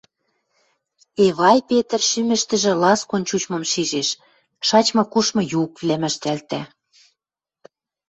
Эвай Петр шӱмӹштӹжӹ ласкон чучмым шижеш, шачмы-кушмы юквлӓм ӓштӓлтӓ.